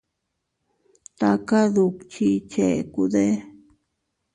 ¿Taka dukchi chekude?